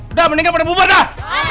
udah meninggal pada bubur dah